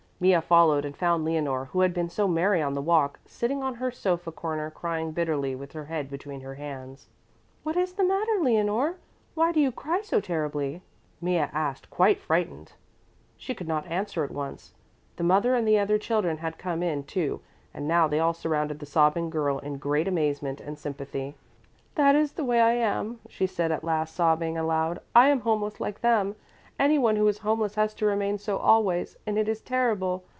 Mea followed and found Leonore, who had been so merry on the walk, sitting in her sofa corner, crying bitterly with her head between her hands. "What is the matter, Leonore? Why do you cry so terribly?" Mea, asked, quite frightened. She could not answer at once. The mother and the other children had come in, too, and now they all surrounded the sobbing girl in great amazement and sympathy. "That is the way I am," she said at last, sobbing aloud, "I am homeless like them. Anyone who is homeless has to remain so always, and it is terrible.